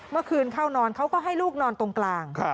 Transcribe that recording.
เมื่อคืนเข้านอนเขาก็ให้ลูกนอนตรงกลาง